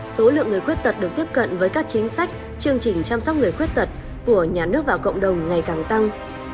số lượng người khuyết tật được tiếp cận với các chính sách chương trình chăm sóc người khuyết tật của nhà nước và cộng đồng ngày càng tăng